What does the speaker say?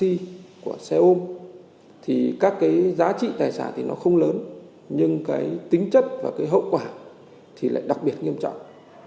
ví dụ như là cướp vào tài sản của lái xe taxi của xe ôm thì các cái giá trị tài sản thì nó không lớn nhưng cái tính chất và cái hậu quả thì lại đặc biệt nghiêm trọng